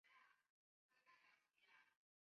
肘髎穴是属于手阳明大肠经的腧穴。